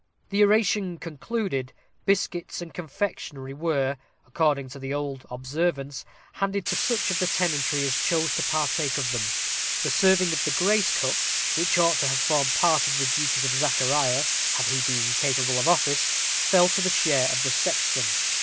The oration concluded, biscuits and confectionery were, according to old observance, handed to such of the tenantry as chose to partake of them. The serving of the grace cup, which ought to have formed part of the duties of Zachariah, had he been capable of office, fell to the share of the sexton.